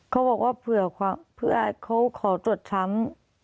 เขาบอกว่าเผื่อเขาขอตรวจช้ำ